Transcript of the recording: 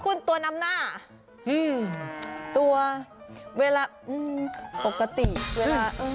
คุณตัวนำหน้าตัวเวลาปกติเวลา